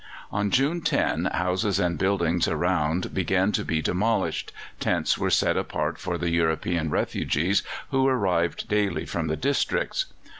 On June 10 houses and buildings around began to be demolished; tents were set apart for the European refugees who arrived daily from the districts.